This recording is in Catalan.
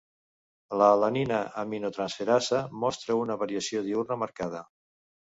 L'alanina-aminotransferasa mostra una variació diürna marcada.